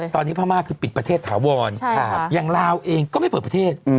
ตอนนี้พม่าคือปิดประเทศถาวรอย่างลาวเองก็ไม่เปิดประเทศ